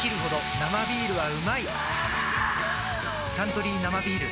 「サントリー生ビール」